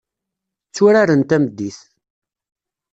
Tturaren tameddit.